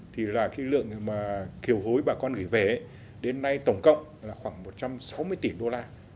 thì là cái lượng kiều hối bà con gửi về ấy đến nay tổng cộng là khoảng một trăm sáu mươi tỷ đô la